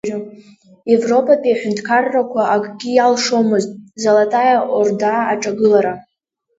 Европатәи аҳәынҭқаррақәа акгьы иалшомызт Золотаиа Орда аҿагылара.